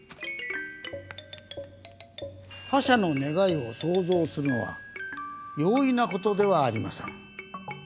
他者の願いを想像するのは容易なことではありません。